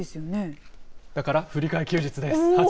だから振り替え休日です。